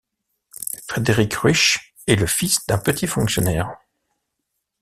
Frederik Ruysch est le fils d’un petit fonctionnaire.